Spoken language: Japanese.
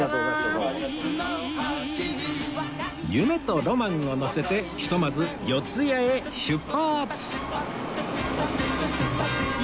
夢とロマンを乗せてひとまず四谷へ出発！